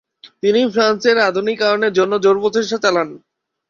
তিনি ফ্রান্সের আধুনিকায়নের জন্য জোর প্রচেষ্টা চালান।